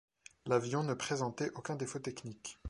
L'avion ne présentait aucun défaut technique.